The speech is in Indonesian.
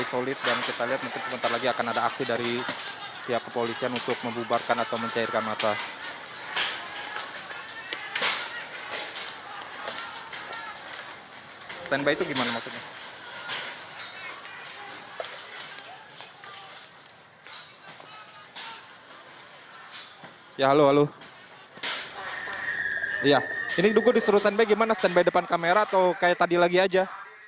standby depan kamera atau kayak tadi lagi aja